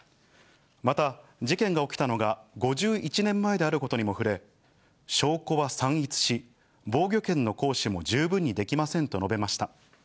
また事件が起きたのが５１年前であることにも触れ、証拠は散逸し、防御権の行使も十分にできませんと述べました。